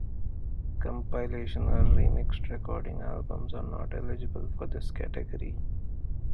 Compilation or remixed recording albums are not eligible for this category.